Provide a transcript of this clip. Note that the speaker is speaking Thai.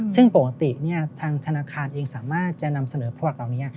ซึ่งปกติทางธนาคารเองสามารถจะนำเสนอผลิตภัณฑ์ตรงนี้